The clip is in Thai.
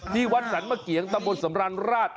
ที่วัดสันเมื่อกี๋ยังตะบนสำรรรราช